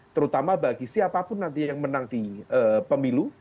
terutama bagi siapapun nanti yang menang di pemilu